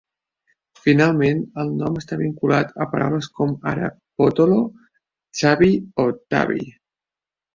Finalment el nom està vinculat a paraules com ara "pottolo" "Chubby, Tubby".